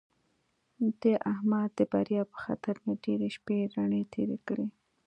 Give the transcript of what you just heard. د احمد د بریا په خطر مې ډېرې شپې رڼې تېرې کړې.